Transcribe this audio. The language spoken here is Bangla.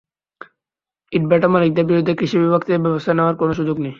ইটভাটা মালিকদের বিরুদ্ধে কৃষি বিভাগ থেকে ব্যবস্থা নেওয়ার কোনো সুযোগ নেই।